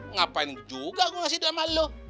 ngapain juga gue ngasih duan sama lo